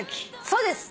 そうです。